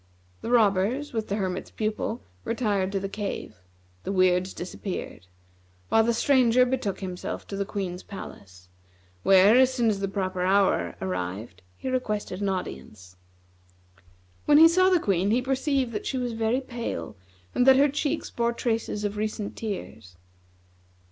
The robbers, with the Hermit's Pupil, retired to the cave; the Weirds disappeared; while the Stranger betook himself to the Queen's palace, where, as soon as the proper hour arrived, he requested an audience. When he saw the Queen, he perceived that she was very pale and that her cheeks bore traces of recent tears.